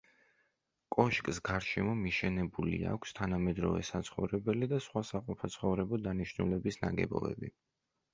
კოშკს გარშემო მიშენებული აქვს თანამედროვე საცხოვრებელი და სხვა საყოფაცხოვრებო დანიშნულების ნაგებობები.